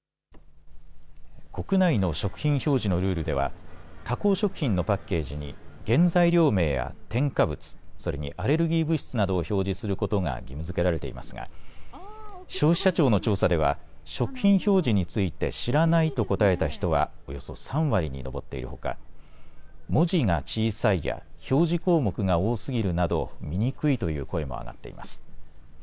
国内の食品表示のルールでは加工食品のパッケージに原材料名や添加物、それにアレルギー物質などを表示することが義務づけられていますが消費者庁の調査では食品表示について知らないと答えた人はおよそ３割に上っているほか文字が小さいや表示項目が多すぎるなど見にくいという声も上がっています。